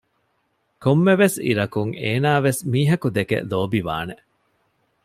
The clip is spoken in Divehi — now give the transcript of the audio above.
ކޮންމެވެސް އިރަކުން އޭނާވެސް މީހަކު ދެކެ ލޯބިވާނެ